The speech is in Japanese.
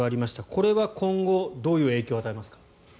これは今後どういう影響を与えますか？